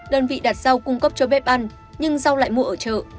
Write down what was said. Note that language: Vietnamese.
đơn vị đặt rau cung cấp cho bếp ăn nhưng rau lại mua ở chợ